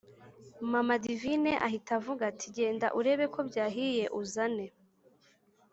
mama divine ahita avuga ati: genda urebe ko byahiye uzane